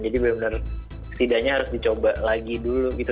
jadi bener bener setidaknya harus dicoba lagi dulu gitu